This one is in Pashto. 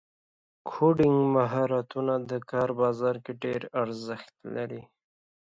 کوډینګ مهارتونه د کار بازار کې ډېر ارزښت لري.